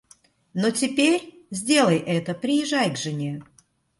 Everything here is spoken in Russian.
Но теперь, сделай это, приезжай к жене.